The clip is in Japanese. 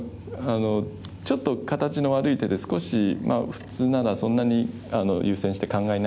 ちょっと形の悪い手で少し普通ならそんなに優先して考えない手なんですけど。